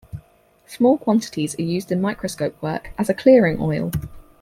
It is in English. Small quantities are used in microscope work as a clearing oil.